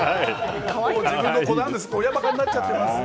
自分の子なんで親ばかになっちゃってます。